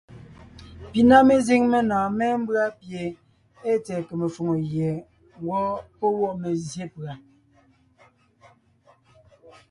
Pi na mezíŋ menɔ̀ɔn mémbʉ́a pie ée tsɛ̀ɛ kème shwòŋo gie ńgwɔ́ pɔ́ wɔ́ mezsyé pùa.